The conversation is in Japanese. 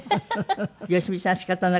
良美さんは仕方なく。